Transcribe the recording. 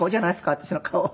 私の顔は。